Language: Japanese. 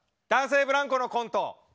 男性ブランコのコント